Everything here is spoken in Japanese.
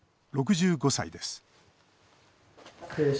６５歳です。